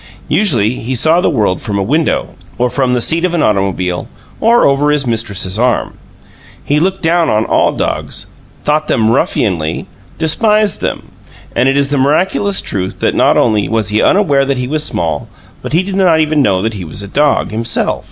Usually he saw the world from a window, or from the seat of an automobile, or over his mistress's arm. He looked down on all dogs, thought them ruffianly, despised them; and it is the miraculous truth that not only was he unaware that he was small, but he did not even know that he was a dog, himself.